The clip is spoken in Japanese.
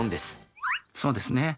そうですね。